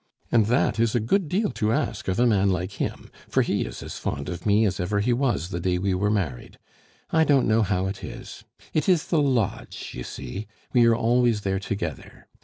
And that is a good deal to ask of a man like him, for he is as fond of me as ever he was the day we were married. I don't know how it is. It is the lodge, you see; we are always there together!